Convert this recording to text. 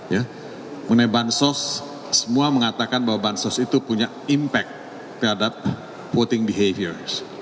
ya mengenai bansos semua mengatakan bahwa bansos itu punya impact terhadap voting behaviors